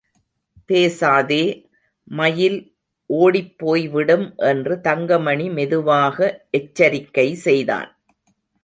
பேசாதே, மயில் ஓடிப்போய்விடும் என்று தங்கமணி மெதுவாக எச்சரிக்கை செய்தான்.